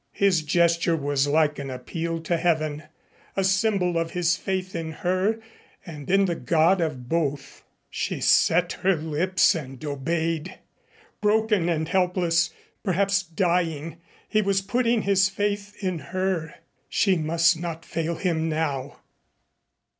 His gesture was like an appeal to Heaven a symbol of his faith in her and in the God of both. She set her lips and obeyed. Broken and helpless perhaps dying, he was putting his faith in her. She must not fail him now.